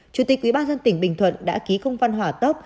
chủ tịch ủy ban dân tỉnh bình thuận đã ký công văn hỏa tốc